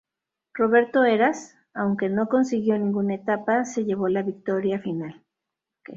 Roberto Heras, aunque no consiguió ninguna etapa, se llevó la victoria final.